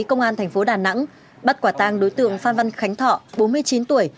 công an thành phố đà nẵng bắt quả tang đối tượng phan văn khánh thọ bốn mươi chín tuổi